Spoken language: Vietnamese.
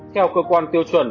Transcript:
theo cơ quan tiêu chuẩn